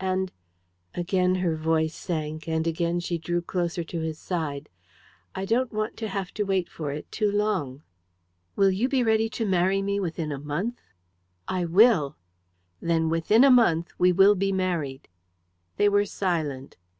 And" again her voice sank, and again she drew closer to his side "I don't want to have to wait for it too long." "Will you be ready to marry me within a month?" "I will." "Then within a month we will be married." They were silent.